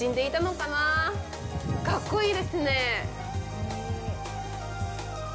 かっこいいですね。